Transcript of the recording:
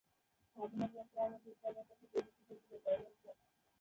স্থাপনা ব্যয়ের কারণে দূরপাল্লার পথে বৈদ্যুতিক ইঞ্জিনের ব্যবহার কম।